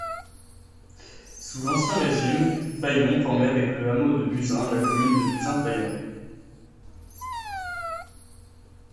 Sous l'ancien régime, Failon formait avec le hameau de Buzin la commune de Buzin-Failon.